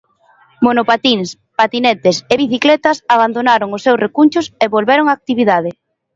Monopatíns, patinetes e bicicletas abandonaron os seus recunchos e volveron á actividade.